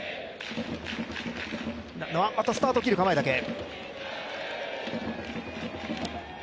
またスタートを切る構えだけ。